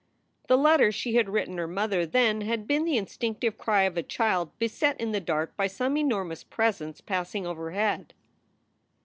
The letter she had written her mother then had been the instinctive cry of a child beset in the dark by some enormous presence passing overhead.